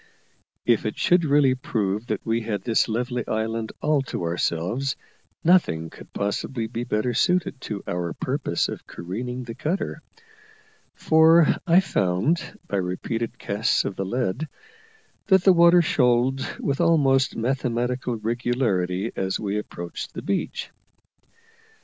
If it should really prove that we had this lovely island all to ourselves, nothing could possibly be better suited to our purpose of careening the cutter: for I found, by repeated casts of the lead, that the water shoaled with almost mathematical regularity as we approached the beach.